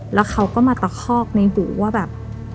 แล้วเขาก็มาตะคอกในหูว่าแบบ